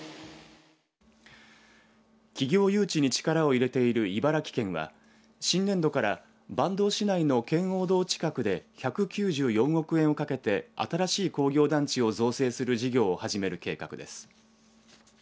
企業誘致に力を入れている茨城県は、新年度から坂東市内の圏央道近くで１９４億円をかけて新しい工業団地を造成する事業を始める計画です。